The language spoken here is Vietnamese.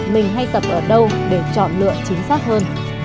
mình hay tập ở đâu để chọn lựa chính xác hơn